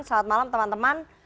selamat malam teman teman